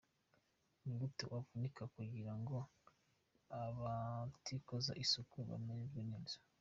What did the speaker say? ni gute wavunika kugira ngo abatikoza isuka bamererwe neza?